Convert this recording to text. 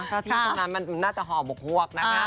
ถ้าที่ตรงนั้นมันน่าจะห่อหมกฮวกนะคะ